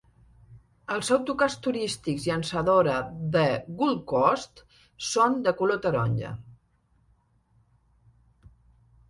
Els autocars turístics llançadora de Gold Coast són de color taronja.